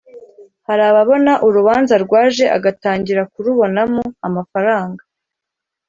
“hari ababona urubanza rwaje agatangira kurubonamo amafaranga